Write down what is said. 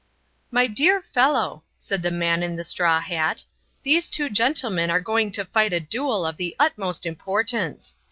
"My dear fellow," said the man in the straw hat, "these two gentlemen are going to fight a duel of the utmost importance.